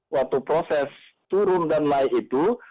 waktu proses turun dan naik itu